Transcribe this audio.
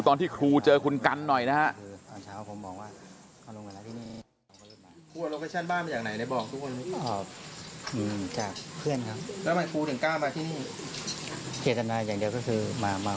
คุณกัลจอมพลังบอกจะมาให้ลบคลิปได้อย่างไร